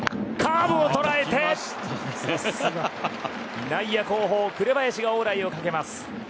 カーブを捉えて内野後方紅林がオーライをかけます。